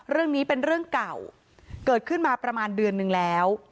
เรื่องนี้เป็นเรื่องเก่าเกิดขึ้นมาประมาณเดือนนึงแล้ว